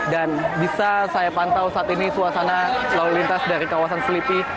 dan bisa saya pantau saat ini suasana lalu lintas dari kawasan selipi